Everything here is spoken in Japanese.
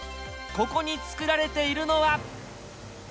ここにつくられているのは。